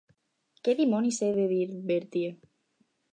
Què dimonis he de dir, Bertie?